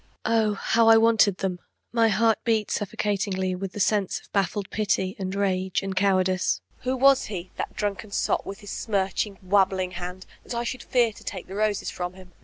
Oh, how I wanted them! My heart beat suffocatingly with the sense of baffled pity and rage and cowardice. Who was he, that drunken sot, with his smirching, wabbling hand, that I should fear to take the roses from him?